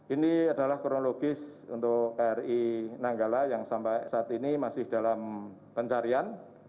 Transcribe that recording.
ini adalah kronologis untuk kri nanggala yang sampai saat ini masih dalam pencarian